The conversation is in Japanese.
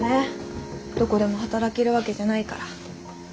どこでも働けるわけじゃないから。